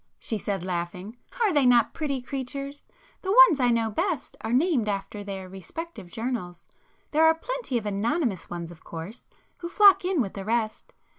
she said laughing—"Are they not pretty creatures? The ones I know best are named after their respective journals,—there are plenty of anonymous ones of course, who flock in with the rest.